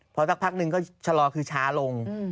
พอสักพักหนึ่งก็ชะลอคือช้าลง